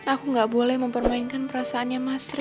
aku gak boleh mempermainkan perasaannya mas rey